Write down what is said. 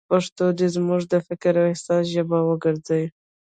پښتو دې زموږ د فکر او احساس ژبه وګرځي.